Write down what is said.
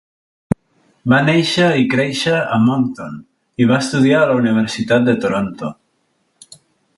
Va néixer i créixer a Moncton i va estudiar a la Universitat de Toronto.